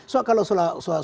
soal kalau soal rule ya